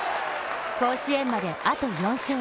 甲子園まであと４勝。